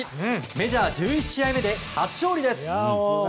メジャー１１試合目で初勝利です。